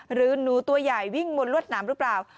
หรือหนูตัวใหญ่วิ่งบนลวดหนามหรือเปล่า